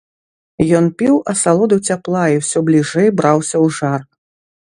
Ён піў асалоду цяпла і ўсё бліжэй браўся ў жар.